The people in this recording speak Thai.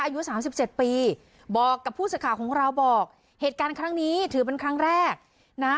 อายุสามสิบเจ็ดปีบอกกับผู้สื่อข่าวของเราบอกเหตุการณ์ครั้งนี้ถือเป็นครั้งแรกนะ